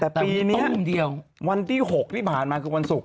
แต่ปีนี้วันที่๖ที่ผ่านมาคือวันศุกร์